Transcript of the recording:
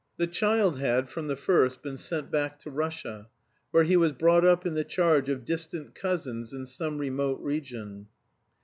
The child had, from the first, been sent back to Russia, where he was brought up in the charge of distant cousins in some remote region.